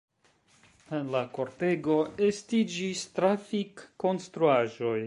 En la kortego estiĝis trafik-konstruaĵoj.